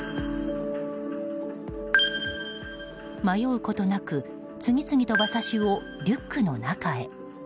迷うことなく次々と馬刺しをリュックの中へ。